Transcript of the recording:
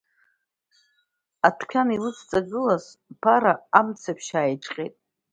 Адәқьан илыцыҵагылаз Ԥара амцаԥшь ааиҿҟьеит.